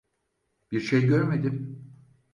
Bir şey görmedim.